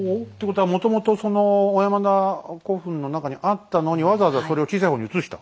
ことはもともとその小山田古墳の中にあったのにわざわざそれを小さい方に移した？